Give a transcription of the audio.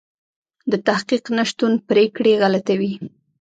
د تحقیق نشتون پرېکړې غلطوي.